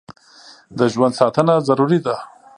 د ژوند ساتنه ضروري ده.